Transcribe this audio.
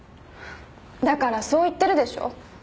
だからそう言ってるでしょ。